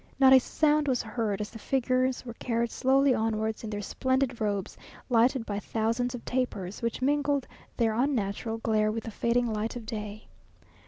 Not a sound was heard as the figures were carried slowly onwards in their splendid robes, lighted by thousands of tapers, which mingled their unnatural glare with the fading light of day.